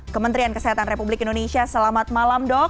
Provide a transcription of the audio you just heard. kementerian kesehatan republik indonesia selamat malam dok